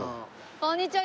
こんにちは。